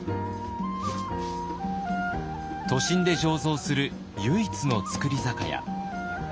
都心で醸造する唯一の造り酒屋。